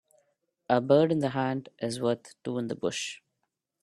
A bird in the hand is worth two in the bush.